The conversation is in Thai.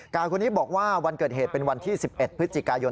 คนนี้บอกว่าวันเกิดเหตุเป็นวันที่๑๑พฤศจิกายน